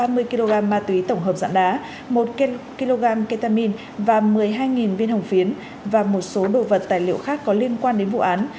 ma túy tổng hợp dạng đá một kg ketamine và một mươi hai viên hồng phiến và một số đồ vật tài liệu khác có liên quan đến vụ án